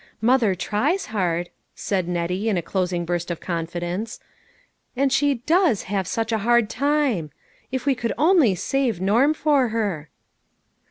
Mother tries hard," said Nettie, in a closing burst of confidence, " and she does have such a hard time ! If we could only save Norm for her."